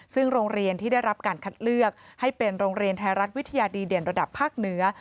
ซึ่งโรงเรียนที่ได้รับการคัดเลือกให้เป็นโรงเรียนไทยรัฐวิทยาดีเด่นระดับภาคเหนือ